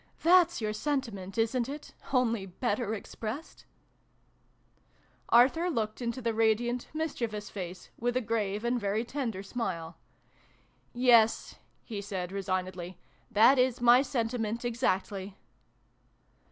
That's your sentiment, isn't it, only better expressed ?" Arthur looked into the radiant, mischievous face, with a grave and very tender smile. " Yes," he said resignedly :" that is my senti ment, exactly."